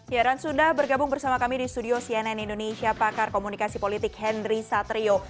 ya dan sudah bergabung bersama kami di studio cnn indonesia pakar komunikasi politik henry satrio